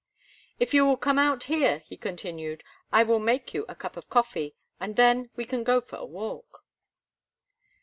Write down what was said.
"If you will come out here," he continued, "I will make you a cup of coffee, and then we can go for a walk."